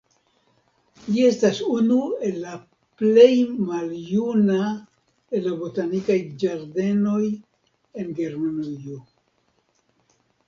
Ĝi estas unu el la plej maljuna el la botanikaj ĝardenoj en Germanujo.